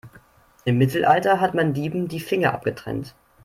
Im Mittelalter hat man Dieben die Finger abgetrennt.